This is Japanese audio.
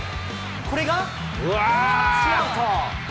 これがタッチアウト。